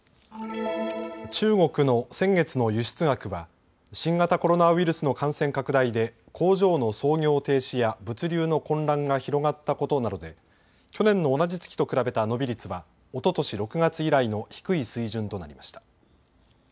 中国の先月の輸出額は新型コロナウイルスの感染拡大で工場の操業停止や物流の混乱が広がったことなどで去年の同じ月と比べた伸び率はおととし６月以来の低い水準となりました。